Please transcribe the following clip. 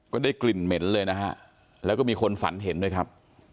ก็ได้กลิ่นเหม็นเลยนะฮะแล้วก็มีคนฝันเห็นด้วยครับ